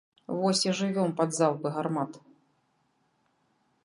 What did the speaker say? Вось і жывём пад залпы гармат.